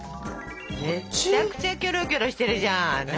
めちゃくちゃキョロキョロしてるじゃん。何よ？